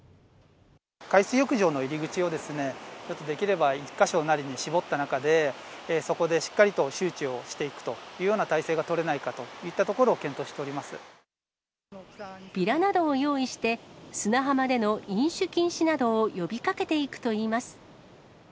海水浴場の入り口を、できれば１か所なりに絞った中で、そこでしっかりと周知をしていくというような態勢を取れないかとビラなどを用意して、砂浜での飲酒禁止などを呼びかけていくといいます。